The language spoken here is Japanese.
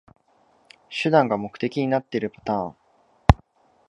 手段が目的になってるパターン